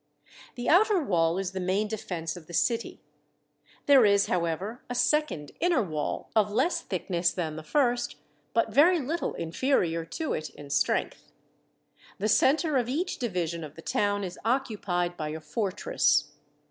The outer wall is the main defence of the city. There is, however, a second inner wall, of less thick ness than the first, but very little inferior to it in strength. The centre of each division of the town is occupied by a fortress.